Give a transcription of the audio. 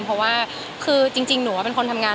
เพราะว่าคือจริงหนูว่าเป็นคนทำงาน